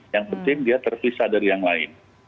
yang penting dia terpisah dari yang lain